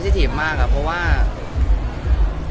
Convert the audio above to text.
สิ่งที่เขารู้สึกความสูงบ้าง